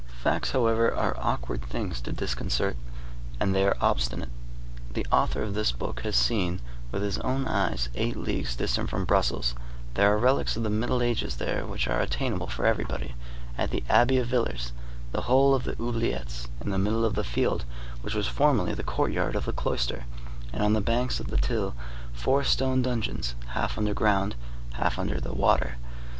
Facts, however, are awkward things to disconcert, and they are obstinate. The author of this book has seen, with his own eyes, eight leagues distant from Brussels,—there are relics of the Middle Ages there which are attainable for everybody,—at the Abbey of Villers, the hole of the oubliettes, in the middle of the field which was formerly the courtyard of the cloister, and on the banks of the Thil, four stone dungeons, half under ground, half under the water.